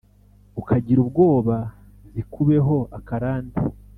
ukagira ubwoba, zikubeho akarande.